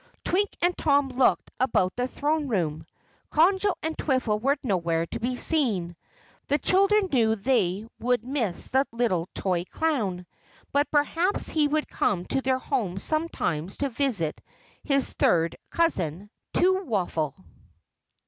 Twink and Tom looked about the throne room. Conjo and Twiffle were nowhere to be seen. The children knew they would miss the little toy clown. But perhaps he would come to their home sometimes to visit his third cousin, Twoffle.